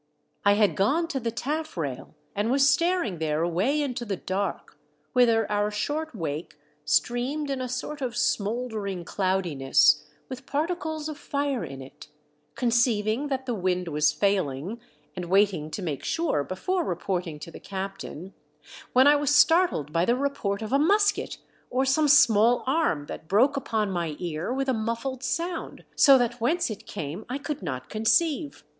I had gone to the taffrail and was staring there away into the dark, whither our short wake streamed in a sort of smouldering cloudiness with particles of fire in it, con ceiving that the wind was failing, and waiting to make sure before reporting to the captain, when I was startled by the report of a musket or some small arm that broke upon my ear with a muffled sound, so that whence it came I could not conceive.